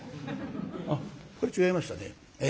あっこれ違いましたね。